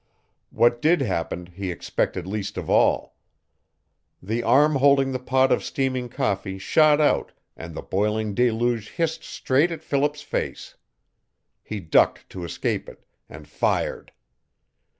What did happen he expected least of all. The arm holding the pot of steaming coffee shot out and the boiling deluge hissed straight at Philip's face. He ducked to escape it, and fired.